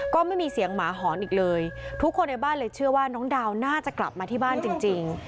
ก็ไม่มีเสียงหมาหอนอีกเลยทุกคนในบ้านเลยเชื่อว่าน้องดาวน่าจะกลับมาที่บ้านจริง